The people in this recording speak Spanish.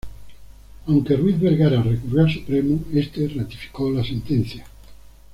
Aunque Ruiz Vergara recurrió al Supremo, este ratificó la sentencia.